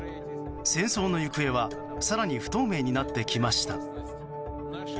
戦争の行方は更に不透明になってきました。